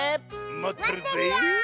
まってるよ！